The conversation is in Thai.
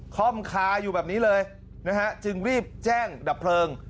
ค่อมคาอยู่แบบนี้เลยนะฮะจึงรีบแจ้งดับเพลิง